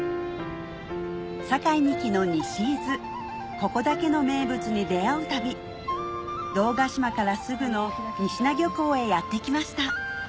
ここだけの名物に出合う旅堂ヶ島からすぐの仁科漁港へやって来ました